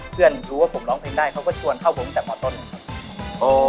เพื่อนรู้ว่าผมร้องเพลงได้เขาก็ชวนเข้าผมจากมต้นครับ